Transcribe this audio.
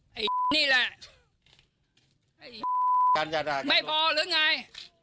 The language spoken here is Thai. พี่เงี่ยนี่แหละพี่เงี๊ยนไม่พอหรือไง